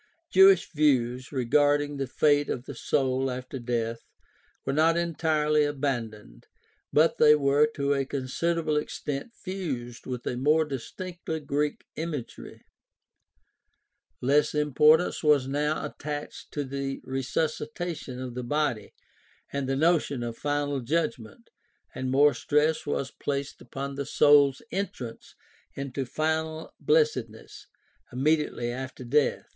Jewish views regarding the fate of the soul after death were not entirely abandoned, but they were to a considerable extent fused with a more distinctly Greek imagery. Less importance was now attached to the resusci tation of the body and the notion of final judgment, and more stress was placed upon the soul's entrance into final blessed ness immediately after death (e.